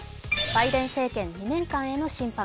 バイデン政権２年間への審判。